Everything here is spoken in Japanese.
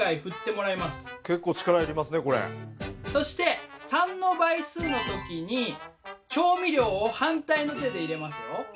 そして３の倍数の時に調味料を反対の手で入れますよ。